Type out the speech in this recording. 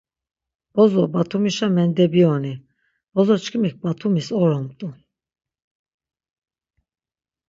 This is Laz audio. Bozo Batumişa mendebiyoni. Bozoçkimik Batumis oromt̆u.